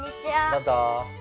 どうぞ。